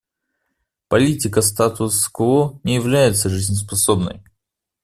Политика статус-кво не является жизнеспособной.